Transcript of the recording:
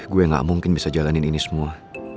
gue gak mungkin bisa jalanin ini semua